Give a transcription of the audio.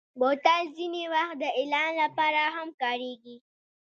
بوتل ځینې وخت د اعلان لپاره هم کارېږي.